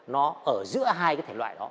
nó ở giữa hai cái thể loại đó